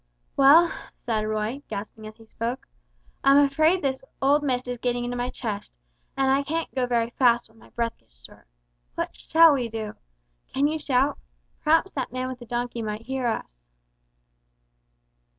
"Well," said Roy, gasping as he spoke; "I'm afraid this old mist is getting into my chest, and I can't go very fast when my breath gets short. What shall we do? Can you shout p'raps that man with the donkey might hear us."